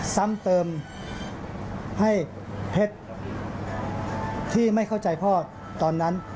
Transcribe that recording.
ซ้ำเติมให้เพชรที่ไม่เข้าใจพ่อตอนนั้น